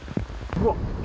うわっ！